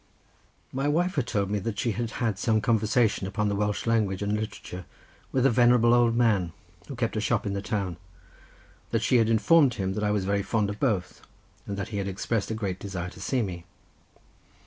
My wife had told me that she had had some conversation upon the Welsh language and literature with a venerable old man, who kept a shop in the town, that she had informed him that I was very fond of both, and that he had expressed a great desire to see me.